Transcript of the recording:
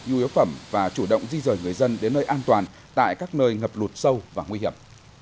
nhu yếu phẩm và chủ động di rời người dân đến nơi an toàn tại các nơi ngập lụt sâu và nguy hiểm